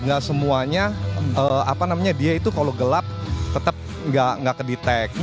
gak semuanya apa namanya dia itu kalau gelap tetap gak ke detect